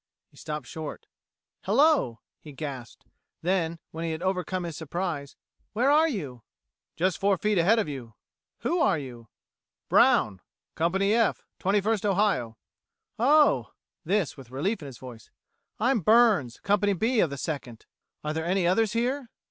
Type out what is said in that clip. He stopped short. "Hello," he gasped; then, when he had overcome his surprise, "Where are you?" "Just four feet ahead of you." "Who are you?" "Brown, Company F, Twenty first Ohio." "Oh," this with relief in his voice "I'm Burns, Company B, of the Second. Are there any others here?"